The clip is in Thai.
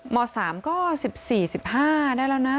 ม๓ก็๑๔๑๕ได้แล้วนะ